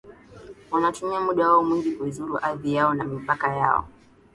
Wanatumia muda wao mwingi kuizuru ardhi yao na mipaka yao